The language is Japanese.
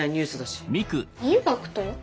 インパクト？